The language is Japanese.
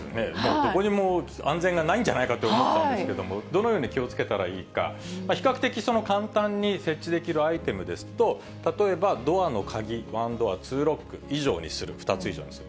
どこにも安全がないんじゃないかって思ったんですけど、どのように気をつけたらいいか、比較的簡単に設置できるアイテムですと、例えばドアの鍵、１ドア２ロック以上にする、２つ以上にする。